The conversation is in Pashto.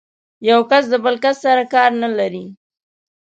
يو کس د بل کس سره کار نه لري.